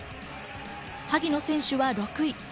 萩野選手は６位。